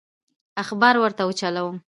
اخبار ورته وچلوم.